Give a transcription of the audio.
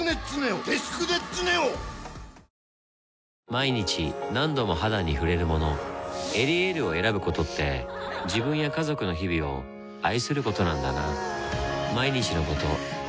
毎日何度も肌に触れるもの「エリエール」を選ぶことって自分や家族の日々を愛することなんだなぁ